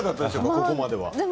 ここまで。